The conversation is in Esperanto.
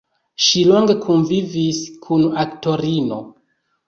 Ŝi longe kunvivis kun aktorino.